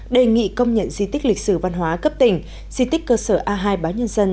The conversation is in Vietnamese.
đề nghị công nhận di tích lịch sử văn hóa cấp tỉnh di tích cơ sở a hai báo nhân dân